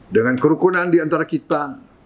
dengan kerukunan di antara kita